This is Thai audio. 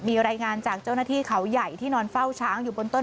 มีรายงานจากเจ้าหน้าที่เขาใหญ่ที่นอนเฝ้าช้างอยู่บนต้น